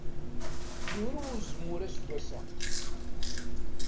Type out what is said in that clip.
Yurew uzemmur aseggas-a.